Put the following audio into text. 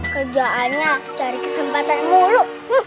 kerjaannya cari kesempatan mulu